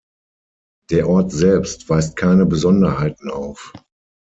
Der Ort selbst weist keine Besonderheiten auf.